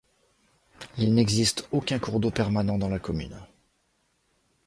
Il n'existe aucun cours d'eau permanent dans la commune.